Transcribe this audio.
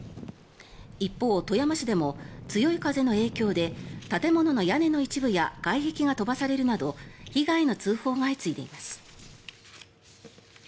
一方、富山市でも強い風の影響で建物の屋根の一部や外壁が飛ばされるなど被害の通報が相次いでいます。